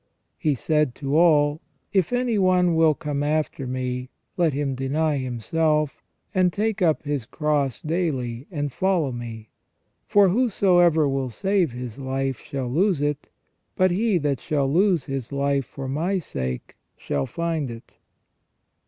" He said to all: If any one will come after Me, let him deny himself; and take up his cross daily, and follow Me. For whosoever will save his life shall lose it ; but he that shall lose his life for My sake, shall find it."